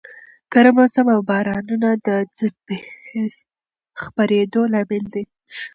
ګرم موسم او بارانونه د خپرېدو لامل دي.